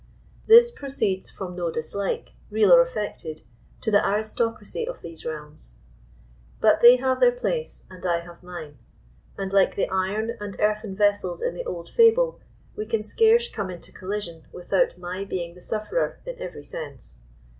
This proceeds from no dislike, real or affected, to the aristocracy of these realms. But they have their place, and I have mine; and, like the iron and earthen vessels in the old fable, we can scarce come into collision without my being the sufferer in every sense.